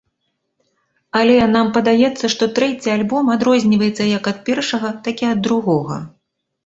Але нам падаецца, што трэці альбом адрозніваецца як ад першага, так і ад другога.